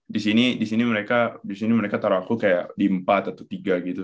disini disini mereka disini mereka taruh aku kayak di empat atau tiga gitu